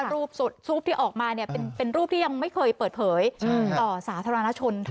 รูปที่ออกมาเป็นรูปที่ยังไม่เคยเปิดเผยต่อสาธารณชน